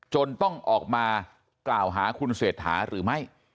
จนต้องออกมากล่าวหาคุณเศรษฐาหรือไม่